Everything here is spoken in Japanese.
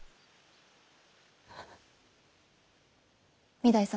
御台様。